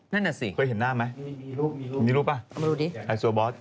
นั่นแหละสิเคยเห็นหน้าไหมมีรูปป่ะไฮโซบอส